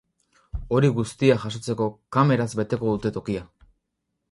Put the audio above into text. Hori guztia jasotzeko, kameraz beteko dute tokia.